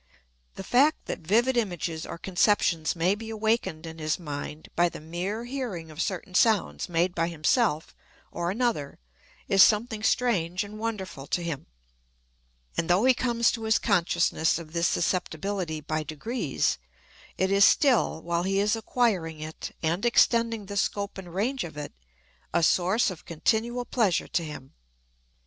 The fact that vivid images or conceptions may be awakened in his mind by the mere hearing of certain sounds made by himself or another is something strange and wonderful to him; and though he comes to his consciousness of this susceptibility by degrees, it is still, while he is acquiring it, and extending the scope and range of it, a source of continual pleasure to him.